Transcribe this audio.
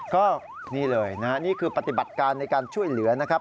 ก็นี่เลยนะฮะนี่คือปฏิบัติการในการช่วยเหลือนะครับ